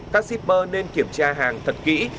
các shipper nên kiểm tra hàng thật kỹ